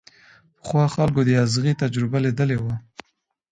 پخوا خلکو د ازغي تجربه ليدلې وه.